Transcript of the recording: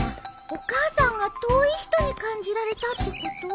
お母さんが遠い人に感じられたってこと？